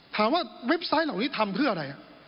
เว็บไซต์เหล่านี้ทำเพื่ออะไร